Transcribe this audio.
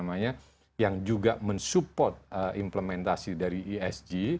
kemudian kami sebagai bank yang juga mensupport implementasi dari isg